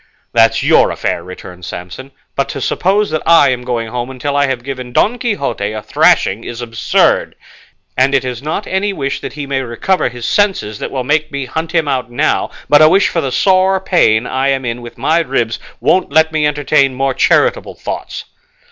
"That's your affair," returned Samson, "but to suppose that I am going home until I have given Don Quixote a thrashing is absurd; and it is not any wish that he may recover his senses that will make me hunt him out now, but a wish for the sore pain I am in with my ribs won't let me entertain more charitable thoughts."